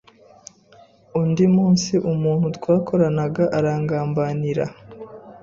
Undi munsi umuntu twakoranaga arangambanira